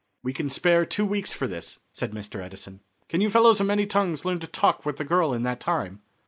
"We can spare two weeks for this," said Mr. Edison. "Can you fellows of many tongues learn to talk with the girl in that time?"